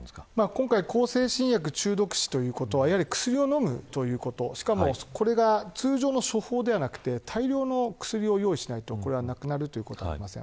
今回、向精神薬中毒死ということは薬を飲むということしかも、これが通常の処方ではなく、大量の薬を用意しないと亡くなることはありません。